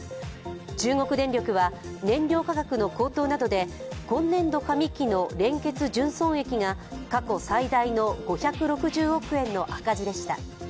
中国電力は、燃料価格の高騰などで今年度上期の連結純損益が過去最大の５６０億円の赤字でした。